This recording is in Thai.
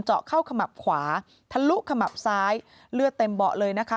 เข้าขมับขวาทะลุขมับซ้ายเลือดเต็มเบาะเลยนะคะ